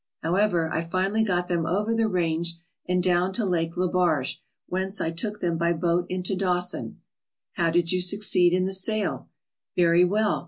However, I finally got them over the range and down to Lake Lebarge, whence I took them by boat into Dawson, " "How did you succeed in the sale?" "Very well.